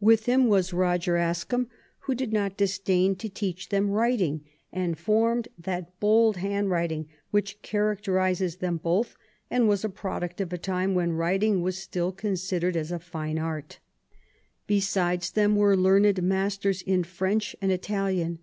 With him was Roger Ascham, who did not disdain to teach them writing, and formed that bold handwriting which characterises them both, and was a product of V / 8 QUEEN ELIZABETH. a time when writing was still considered as a fine art. Besides them were learned masters in French and Italian.